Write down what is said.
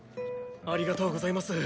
ありがとうございます。